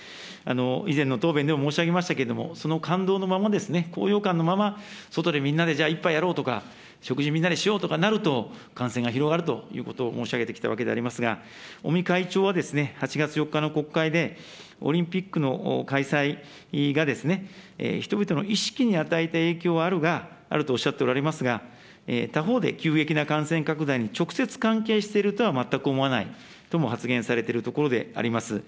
以前の答弁でも申し上げましたけれども、その感動のままですね、高揚感のまま、外でみんなで、じゃあ、一杯やろうとか、食事みんなでしようとかなると、感染が広がるということを申し上げてきたわけでありますが、尾身会長は、８月４日の国会で、オリンピックの開催が人々の意識に与えた影響はあるが、あるとおっしゃっておられますが、他方で急激な感染拡大に直接関係しているとは全く思わないとも発言されているところであります。